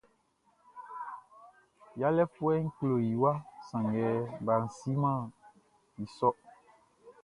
Yalɛfuɛʼn klo i waʼn sanngɛ baʼn simɛn i sôr.